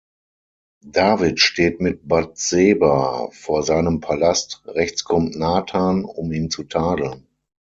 David steht mit Bathseba vor seinem Palast, rechts kommt Nathan, um ihn zu tadeln.